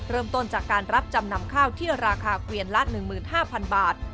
เริ่มต้นจากการรับจำนำข้าวที่ราคาเกวียนละ๑๕๐๐๐บาท